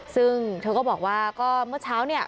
ซึ่งเธอก็บอกว่าก็เมื่อเช้าเนี่ย